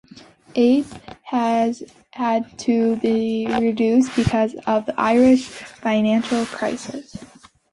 Aid has had to be reduced because of the Irish financial crisis.